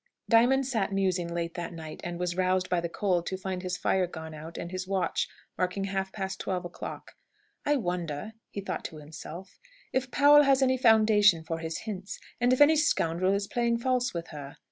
Diamond sat musing late that night, and was roused by the cold to find his fire gone out and his watch marking half past twelve o'clock. "I wonder," he thought to himself, "if Powell has any foundation for his hints, and if any scoundrel is playing false with her.